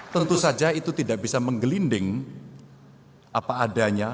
tentu saja itu tidak bisa menggelinding apa adanya